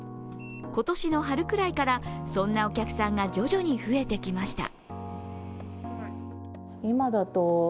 今年の春くらいからそんなお客さんが徐々に増えてきました。